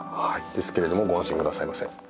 ですけれどもご安心くださいませ。